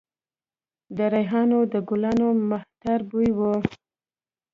د ریحانو د ګلانو معطر بوی و